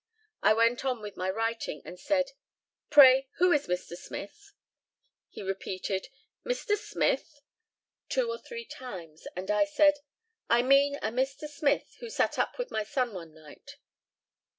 I went on with my writing, and said, "Pray, who is Mr. Smith?" He repeated, "Mr. Smith!" two or three times, and I said, "I mean a Mr. Smith who sat up with my son one night."